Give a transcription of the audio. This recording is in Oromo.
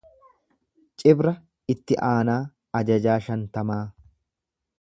Cibra itti aanaa ajajaa shantamaa.